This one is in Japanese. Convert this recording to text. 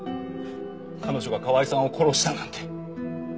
彼女が河合さんを殺したなんて。